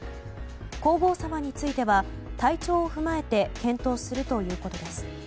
皇后さまについては体調を踏まえて検討するということです。